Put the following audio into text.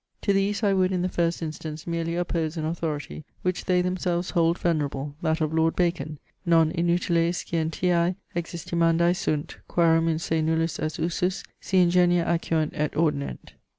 To these I would in the first instance merely oppose an authority, which they themselves hold venerable, that of Lord Bacon: non inutiles Scientiae existimandae sunt, quarum in se nullus est usus, si ingenia acuant et ordinent.